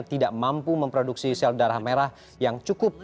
tidak mampu memproduksi sel darah merah yang cukup